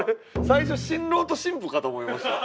最初新郎と新婦かと思いました。